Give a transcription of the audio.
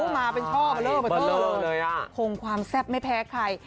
มาเป็นช่อเบลอคงความแซ่บไม่แพ้ใคร